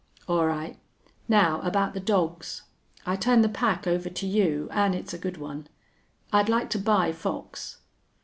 "All right. Now about the dogs. I turn the pack over to you, an' it's a good one. I'd like to buy Fox."